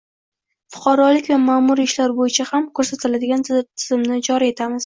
fuqarolik va ma’muriy ishlar bo‘yicha ham ko‘rsatiladigan tizimni joriy etamiz.